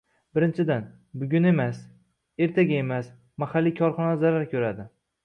Birinchidan, bugun emas, ertaga emas, mahalliy korxonalar zarar ko'radi